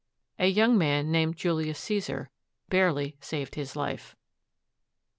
A young man named Julius Caesar barely saved his life.